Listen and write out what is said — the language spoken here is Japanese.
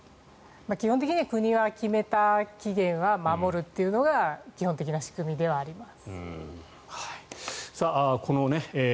基本的に国は決めた期限は守るというのが基本的な仕組みではあります。